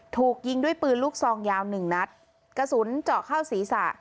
ถูกยิงด้วยปืนลูกซองยาวหนึ่งนัดกระสุนเจาะเข้าศีรษะ